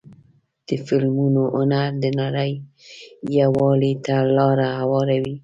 د فلمونو هنر د نړۍ یووالي ته لاره هواروي.